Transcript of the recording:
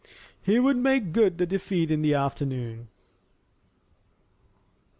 He would make good the defeat in the afternoon.